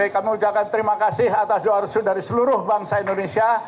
kami ucapkan terima kasih atas doa resul dari seluruh bangsa indonesia